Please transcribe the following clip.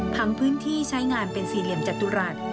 พื้นที่ใช้งานเป็นสี่เหลี่ยมจตุรัส